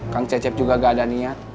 kang cecep juga gak ada niat